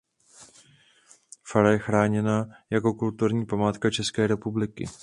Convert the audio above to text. Fara je chráněná jako kulturní památka České republiky.